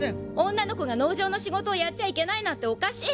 女の子が農場の仕事をやっちゃいけないなんておかしい！